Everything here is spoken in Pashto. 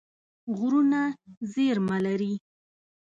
غرونه زیرمه لري.